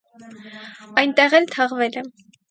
Այնտեղ էլ թաղվել է։